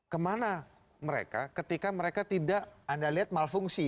kemana mereka ketika mereka tidak anda lihat malfungsi